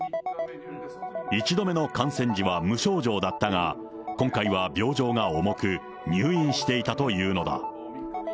１度目の感染時は無症状だったが、今回は病状が重く、入院していたというのだ。